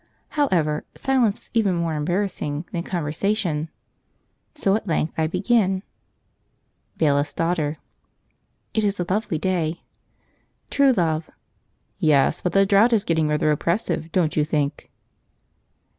However, silence is even more embarrassing than conversation, so at length I begin: Bailiff's Daughter. "It is a lovely day." True Love. "Yes, but the drought is getting rather oppressive, don't you think?"